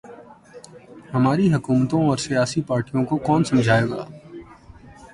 ہماری حکومتوں اور سیاسی پارٹیوں کو کون سمجھائے گا۔